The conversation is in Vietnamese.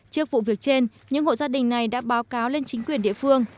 trước vụ việc trên những hộ gia đình này đã báo cáo lên chính quyền địa phương